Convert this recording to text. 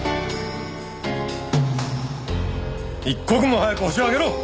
一刻も早くホシを挙げろ！